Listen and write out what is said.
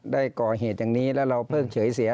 ได้ก่อเหตุอย่างนี้แล้วเราเพิ่งเฉยเสีย